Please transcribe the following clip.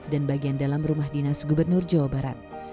dan bagian dalam rumah dinas gubernur jawa barat